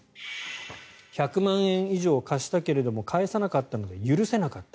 １００万円以上貸したけれども返さなかったので許せなかった。